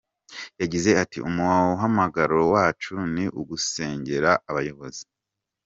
Yagize ati “ Umuhamagaro wacu ni ugusengera abayobozi.